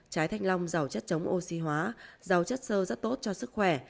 trái thanh long giàu chất chống oxy hóa rau chất sơ rất tốt cho sức khỏe